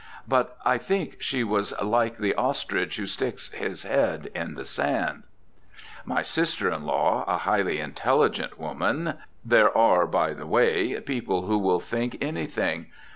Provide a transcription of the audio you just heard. But I think she was like the ostrich who sticks his head in the sand. My sister in law, a highly intelligent woman There are, by the way, people who will think anything.